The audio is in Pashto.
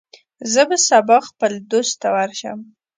زه به سبا خپل دوست ته ورشم.